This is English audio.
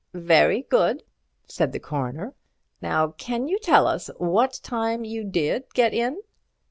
"Very good," said the Coroner. "Now, can you tell us what time you did get in?"